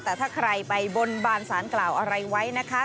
แต่ถ้าใครไปบนบานสารกล่าวอะไรไว้นะคะ